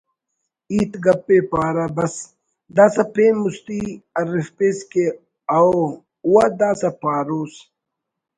ہیت گپ ءِ پارہ بس…… دا سہ پین مستی ارفپیس کہ ……اؤ…… وا داسہ پاروس